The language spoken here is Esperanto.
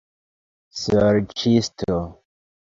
Sorĉisto!